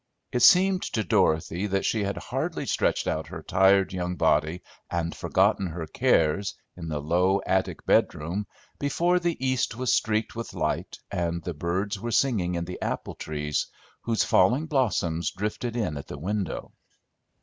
It seemed to Dorothy that she had hardly stretched out her tired young body and forgotten her cares, in the low, attic bedroom, before the east was streaked with light and the birds were singing in the apple trees, whose falling blossoms drifted in at the window.